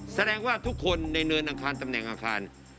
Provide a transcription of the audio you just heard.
แสดงว่าทุกคนในเนินอังคารตำแหน่งอังคาร